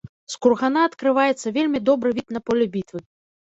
З кургана адкрываецца вельмі добры від на поле бітвы.